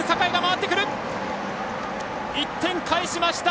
１点返しました！